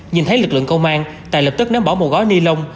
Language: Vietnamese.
nhìn thấy lực lượng công an tài lập tức ném bỏ một gói ni lông